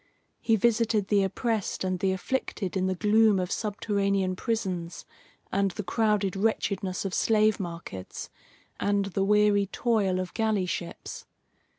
He visited the oppressed and the afflicted in the gloom of subterranean prisons, and the crowded wretchedness of slave markets, and the weary toil of galley ships.